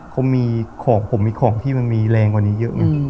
เขามีของผมมีของที่มันมีแรงกว่านี้เยอะไง